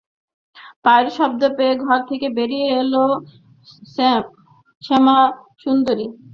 পায়ের শব্দ পেয়ে ঘর থেকে বেরিয়ে এল শ্যামাসুন্দরী, হাতে বাটাতে ছিল পান।